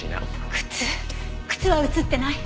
靴靴は映ってない？